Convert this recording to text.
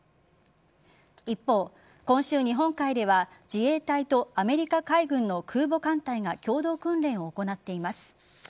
一方、今週日本海では自衛隊とアメリカ海軍の空母艦隊が共同訓練を行っています。